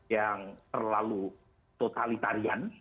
yang terlalu totalitarian